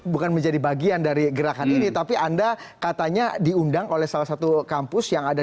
bukan menjadi bagian dari gerakan ini tapi anda katanya diundang oleh salah satu kampus yang ada